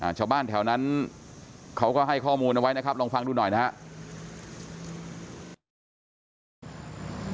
ชาวบ้านแถวนั้นเขาก็ให้ข้อมูลเอาไว้นะครับลองฟังดูหน่อยนะครับ